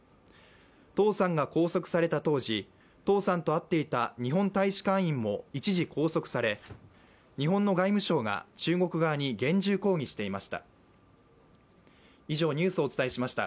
董さんが拘束された当時、董さんと会っていた日本大使館員も一時拘束され、日本の外務省が中国側に厳重抗議していました。